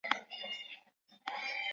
技职取向为综合高中。